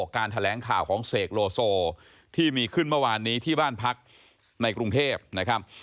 การแถลงข่าวของเสกโลโซที่มีขึ้นเมื่อวานนี้ที่บ้านพักในกรุงเทพนะครับ